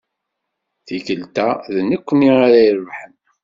Tikkelt-a, d nekkni ay irebḥen.